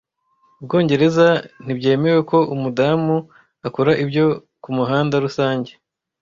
Ubwongereza ntibyemewe ko umudamu akora ibyo kumuhanda rusange